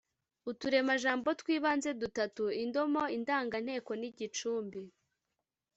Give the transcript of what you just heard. uturemajambo tw’ibanze dutatu (indomo, indanganteko nigicumbi